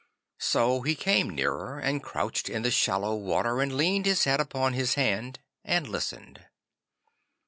So he came nearer, and couched in the shallow water, and leaned his head upon his hand and listened.